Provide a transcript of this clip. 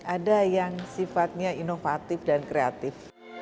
ada yang sifatnya inovatif dan kreatif